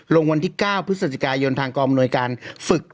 ลงวันที่๙พฤศจิกายนฐกรมหน่วยการฝึก